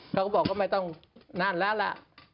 เขาก็บอกว่าไม่ต้องนั่นแล้วล่ะ